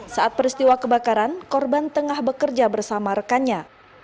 saat peristiwa kebakaran korban tengah bekerja bersama rekannya